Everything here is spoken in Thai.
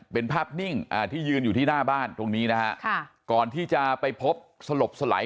เป็นภาพนิ่งที่ยืนอยู่ที่หน้าบ้านตรงนี้นะฮะก่อนที่จะไปพบสลบสลาย